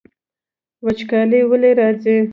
وچکالي ولې راځي؟